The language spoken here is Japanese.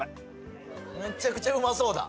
めちゃくちゃうまそうだ。